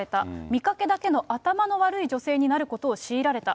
見かけだけの頭の悪い女性になることを強いられた。